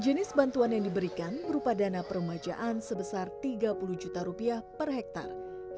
jenis bantuan yang diberikan berupa dana permajaan sebesar tiga puluh juta rupiah per hektare